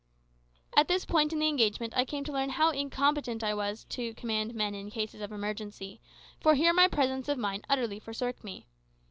At this point in the engagement I came to learn how incompetent I was to command men in cases of emergency, for here my presence of mind utterly forsook me.